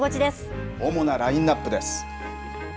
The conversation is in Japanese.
主なラインアップです。